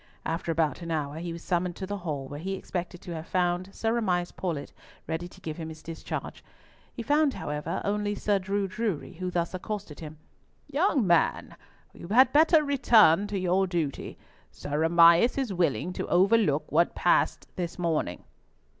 After about an hour, he was summoned to the hall, where he expected to have found Sir Amias Paulett ready to give him his discharge. He found, however, only Sir Drew Drury, who thus accosted him—"Young man, you had better return to your duty. Sir Amias is willing to overlook what passed this morning."